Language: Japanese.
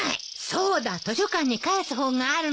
そうだ図書館に返す本があるのよ。